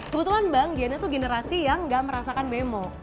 kebetulan bang dia itu generasi yang gak merasakan bemo